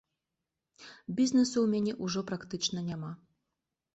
Бізнесу ў мяне ўжо практычна няма.